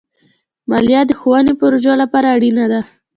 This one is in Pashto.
مالیه د ښوونې پروژو لپاره اړینه ده.